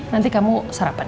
nanti kamu sarapan ya